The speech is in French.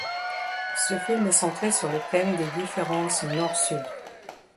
Ce film est centré sur le thème des différences nord-sud.